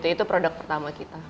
itu produk pertama kita